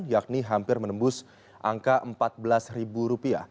yakni hampir menembus angka rp empat belas